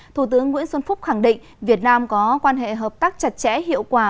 thủ tướng nguyễn xuân phúc khẳng định việt nam có quan hệ hợp tác chặt chẽ hiệu quả